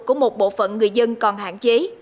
của một bộ phận người dân còn hạn chế